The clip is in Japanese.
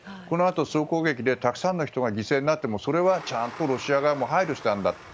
このあと総攻撃でたくさんの人が犠牲になってもそれはちゃんとロシア側も配慮したんだ。